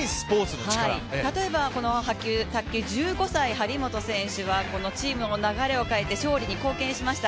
例えば卓球、１５歳、張本選手はこのチームの流れを変えて勝利に貢献しました。